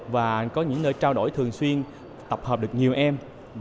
và có những nơi trao đổi thường xuyên tập hợp được nhiều em